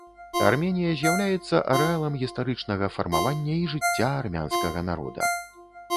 Арменія з'яўляецца арэалам гістарычнага фармавання і жыцця армянскага народа.